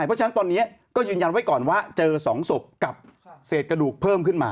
เพราะฉะนั้นตอนนี้ก็ยืนยันไว้ก่อนว่าเจอ๒ศพกับเศษกระดูกเพิ่มขึ้นมา